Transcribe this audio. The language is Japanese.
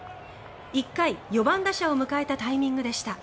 １回、４番打者を迎えたタイミングでした。